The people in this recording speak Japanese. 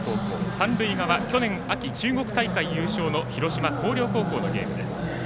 三塁側、去年秋、中国大会優勝の広島・広陵高校の試合です。